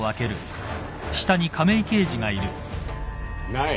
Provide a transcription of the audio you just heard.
ない。